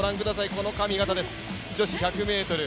この髪形です、女子１００ｍ。